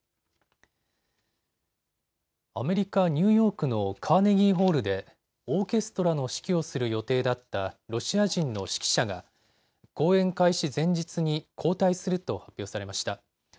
アメリカ・ニューヨークのカーネギーホールでオーケストラの指揮をする予定だったロシア人の指揮者が公演開始前日に交代すると発表されました。